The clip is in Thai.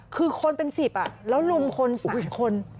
คือคนเป็น๑๐แล้วลุมคน๓๐คน